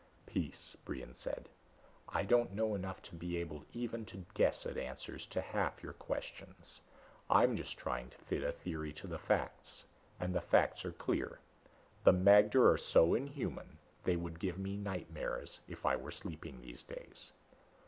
"Peace," Brion said. "I don't know enough to be able even to guess at answers to half your questions. I'm just trying to fit a theory to the facts. And the facts are clear. The magter are so inhuman they would give me nightmares if I were sleeping these days.